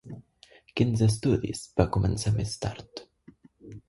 Quins estudis va començar més tard?